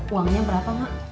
uangnya berapa mak